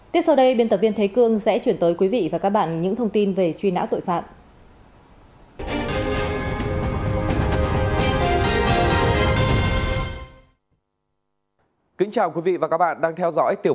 tiếp sau đây biên tập viên thế cương sẽ chuyển tới quý vị và các bạn những thông tin về truy nã tội phạm